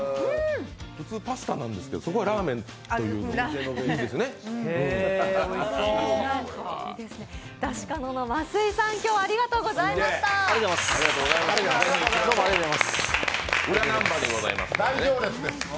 普通パスタなんですけどラーメンってのがいいですね。